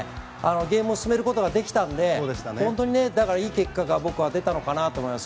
ゲームを進めることができたんでだから良い結果が僕は出たのかなと思います。